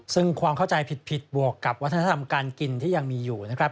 ซึ่งความเข้าใจผิดบวกกับวัฒนธรรมการกินที่ยังมีอยู่นะครับ